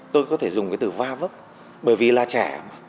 tôi có thể dùng cái từ va vấp bởi vì là trẻ mà